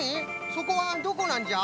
そこはどこなんじゃ？